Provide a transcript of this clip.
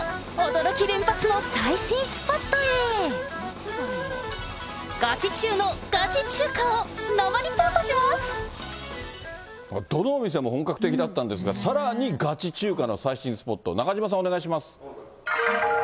どのお店も本格的だったんですが、さらにガチ中華の最新スポット、中島さん、お願いします。